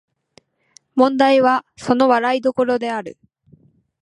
問題はその笑い所である